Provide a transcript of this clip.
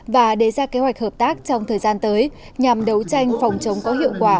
và đề ra kế hoạch hợp tác trong thời gian tới nhằm đấu tranh phòng chống có hiệu quả